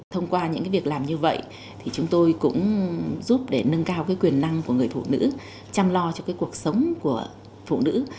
thông qua những việc làm như vậy thì chúng tôi cũng giúp để nâng cao quyền năng của người phụ nữ chăm lo cho cuộc sống của phụ nữ